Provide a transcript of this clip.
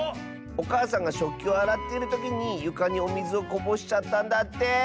おかあさんがしょっきをあらってるときにゆかにおみずをこぼしちゃったんだって。